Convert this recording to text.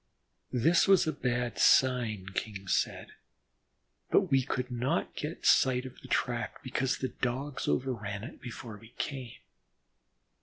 This was a bad sign, King said, but we could not get sight of the track because the Dogs overran it before we came.